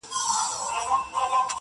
ورته وخاندم او وروسته په ژړا سم-